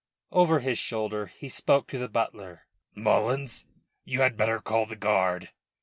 Over his shoulder he spoke to the butler: "Mullins, you had better call the guard."